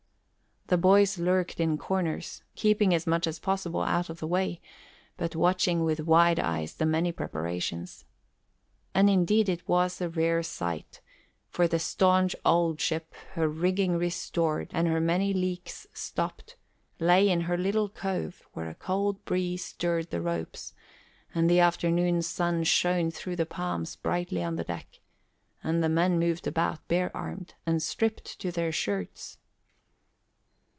The boys lurked in corners, keeping as much as possible out of the way, but watching with wide eyes the many preparations. And indeed it was a rare sight, for the staunch old ship, her rigging restored and her many leaks stopped, lay in her little cove where a cool breeze stirred the ropes, and the afternoon sun shone through the palms brightly on the deck, and the men moved about bare armed and stripped to their shirts.